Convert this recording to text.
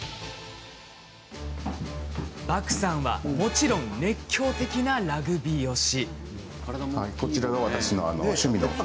バクさんは、もちろん熱狂的なラグビー推し。